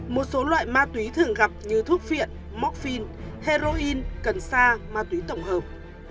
một số loại ma túy thường gặp như thuốc phiện morphine heroin cần sa ma túy tổng hợp